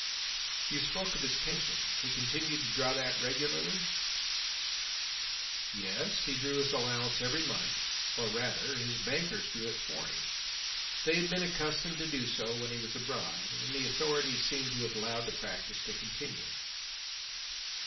"You spoke of his pension. He continued to draw that regularly?" "Yes; he drew his allowance every month, or rather, his bankers drew it for him. They had been accustomed to do so when he was abroad, and the authorities seem to have allowed the practice to continue."